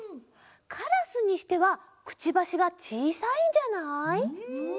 カラスにしてはくちばしがちいさいんじゃない？ん